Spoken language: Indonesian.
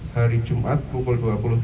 hari jumat pukul dua puluh tiga